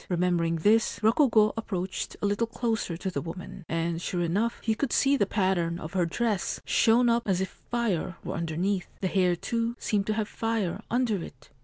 Remembering this, Rokugo ap proached a little closer to the woman ; and, sure enough, he could see the pattern of her dress, shown up as if fire were underneath. The hair, too, seemed to have fire under it.